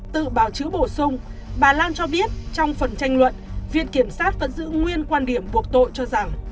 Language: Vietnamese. tự bảo trữ bổ sung bà lan cho biết trong phần tranh luận viện kiểm sát vẫn giữ nguyên quan điểm buộc tội cho rằng